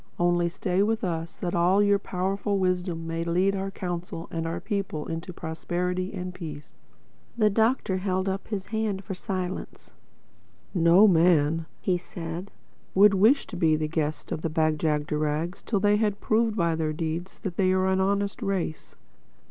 Only stay with us, that your all powerful wisdom may lead our Council and our people in prosperity and peace." The Doctor held up his hand for silence. "No man," said he, "would wish to be the guest of the Bag jagderags till they had proved by their deeds that they are an honest race.